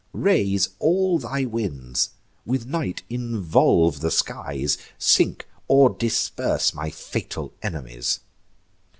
Raise all thy winds; with night involve the skies; Sink or disperse my fatal enemies.